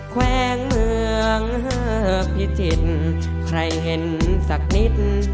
แขวงเมืองพิจิตรใครเห็นสักนิด